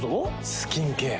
スキンケア。